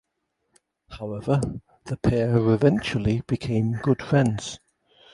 However, the pair eventually became good friends.